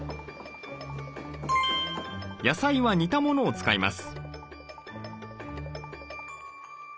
野菜は煮たものを使います。